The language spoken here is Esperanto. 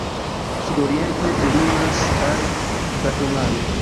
Sudoriente ĝi limas al Gvatemalo.